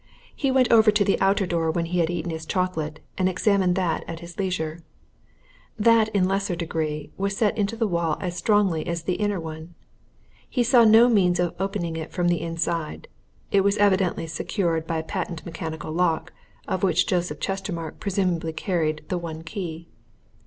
He went over to the outer door when he had eaten his chocolate, and examined that at his leisure. That, in lesser degree, was set into the wall as strongly as the inner one. He saw no means of opening it from the inside: it was evidently secured by a patent mechanical lock of which Joseph Chestermarke presumably carried the one key.